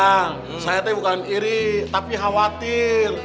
ya saya tuh bukan iri tapi khawatir